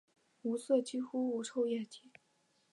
无色几乎无臭液体。